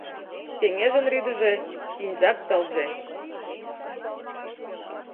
Кеҥежын рӱдыжӧ — синьзак тылзе